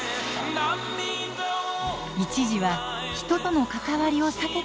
一時は人との関わりを避けてきたＲくん。